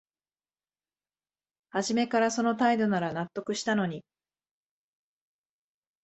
はじめからその態度なら納得したのに